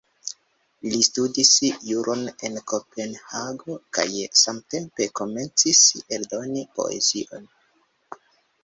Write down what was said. Li studis juron en Kopenhago, kaj samtempe komencis eldoni poezion.